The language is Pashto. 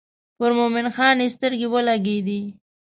پر مومن خان یې سترګې ولګېدې.